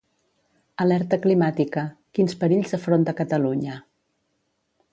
Alerta climàtica: quins perills afronta Catalunya.